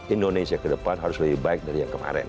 indonesia ke depan harus lebih baik dari yang kemarin